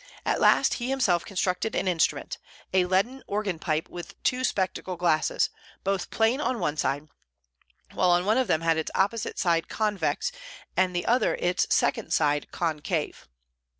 At last he himself constructed an instrument, a leaden organ pipe with two spectacle glasses, both plain on one side, while one of them had its opposite side convex, and the other its second side concave.